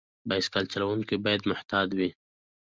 بایسکل چلونکي باید محتاط وي.